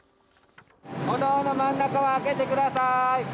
歩道の真ん中を空けてください。